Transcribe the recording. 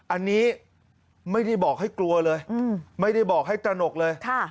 อันนี้ไม่ได้บอกให้กลัวเลยไม่ได้บอกให้ตระหนกเลย